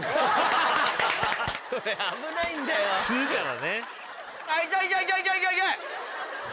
吸うからね。